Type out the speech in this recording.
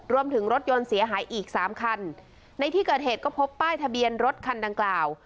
รวมถึงรถยนต์เสียหายอีกสามคันในที่เกิดเหตุก็พบป้ายทะเบียนรถคันดังกล่าว